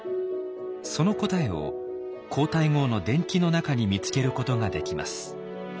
その答えを皇太后の伝記の中に見つけることができます。